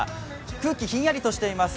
空気ひんやりとしています。